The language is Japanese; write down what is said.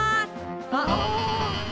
あっ！